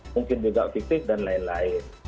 mungkin juga fiktif dan lain lain